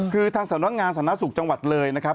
คือทางสำนักงานสาธารณสุขจังหวัดเลยนะครับ